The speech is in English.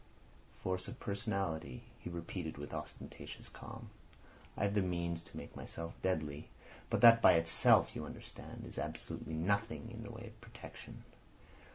"Force of personality," he repeated, with ostentatious calm. "I have the means to make myself deadly, but that by itself, you understand, is absolutely nothing in the way of protection.